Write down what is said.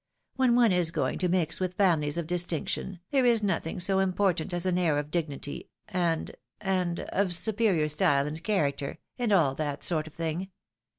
When one is going to mix with families of distinction, there is nothing so important as an air of dignity and — and — of superior style and character, and aU that sort of thing.